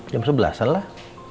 jam sebelas an lah